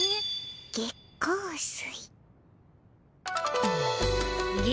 月光水？